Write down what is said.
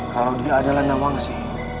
kalau dia adalah nawangsi